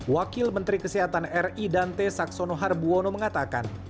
wakil menteri kesehatan ri dante saxono harbuwono mengatakan